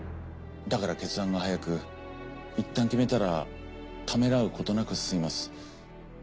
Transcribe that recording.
だから決断が早くいったん決めたらためらうことなく進みます。